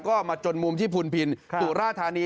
ก็มาจนมุมที่ภูนิพิณธ์สู่ราธานี